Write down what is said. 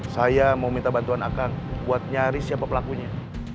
saya mau minta bantuan akang buat nyari siapa pelakunya